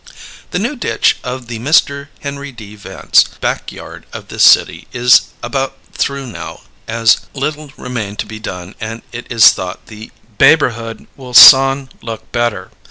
The new ditch of the MR. Henry D. Vance, backyard of this City is about through now as little remain to be done and it is thought the beighborhood will son look better.